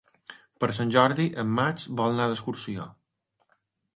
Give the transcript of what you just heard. Per Sant Jordi en Max vol anar d'excursió.